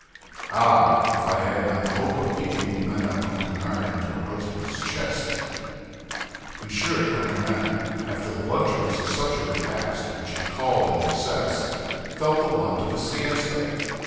Ah! if I had not the hope of peeping with Madame Coquenard into her husband's chest!" M. Coquenard, after the luxuries of such a repast, which he called an excess, felt the want of a siesta.